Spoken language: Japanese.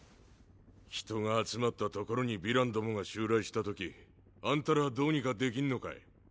人が集まったところにヴィランどもが襲来した時あんたらどうにかできんのかい？